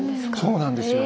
そうなんですよ。